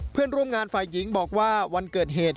เพื่อนร่วมงานฝ่ายหญิงบอกว่าวันเกิดเหตุ